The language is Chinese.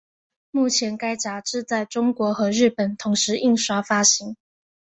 目前该杂志在中国和日本同时印刷发行。